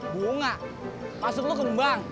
bunga maksud lo kembang